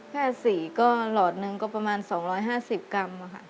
แค่๔ก็หลอดหนึ่งก็ประมาณ๒๕๐กรัมค่ะ